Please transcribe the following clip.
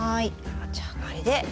じゃあこれで土を。